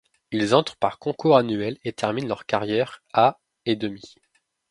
Ils entrent par concours annuel et terminent leur carrière à et demi.